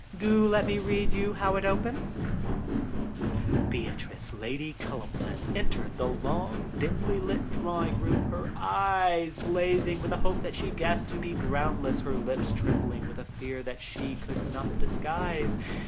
Do let me read you how it opens: "'Beatrice Lady Cullumpton entered the long, dimly lit drawing room, her eyes blazing with a hope that she guessed to be groundless, her lips trembling with a fear that she could not disguise.